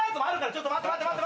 ちょっと待って待って！